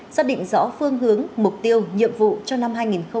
xác định rõ phương hướng mục tiêu nhiệm vụ cho năm hai nghìn hai mươi